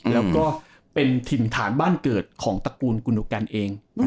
แล้วก็เป็นถิ่นฐานบ้านเกิดของตระกูลกุณกันเอง